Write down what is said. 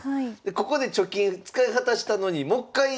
ここで貯金使い果たしたのにもっかい